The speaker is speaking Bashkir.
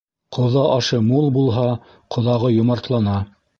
Ҡоҙа ашы мул булһа, ҡоҙағый йомартлана.